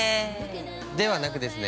ではなくですね